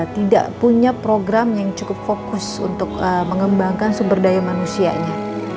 tidak punya program yang cukup fokus untuk mengembangkan sumber daya manusianya